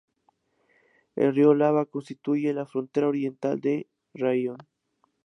El río Labá constituye la frontera oriental del raión.